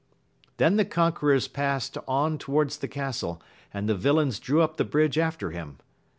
Then the conquerors past on towards the castle, and the villains drew up the bridge after him.